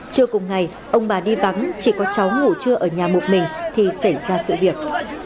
trưa cùng ngày ông bà đi vắng chỉ có cháu ngủ trưa ở nhà một mình thì xảy ra sự việc